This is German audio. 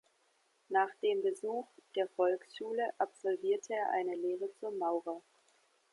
Nach dem Besuch der Volksschule absolvierte er eine Lehre zum Maurer.